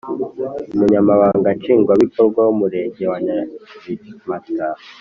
Umunyamabanga Nshingwabikorwa w’Umurenge wa Nyabimata